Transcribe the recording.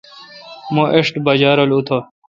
مہ ایݭٹ بجا رل اُتہ۔